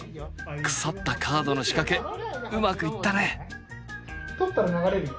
腐ったカードの仕掛けうまくいったね。